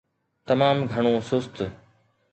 تمام گهڻو سست.